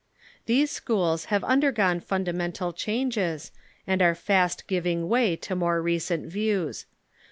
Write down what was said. These schools have undergone fundamental changes, and are fast giving way to more recent views.